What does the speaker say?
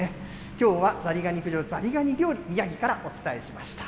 きょうはザリガニ駆除、ザリガニ料理、宮城からお伝えしました。